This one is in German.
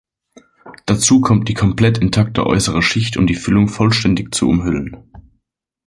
Dazu kommt die komplett intakte äußere Schicht, um die Füllung vollständig zu umhüllen.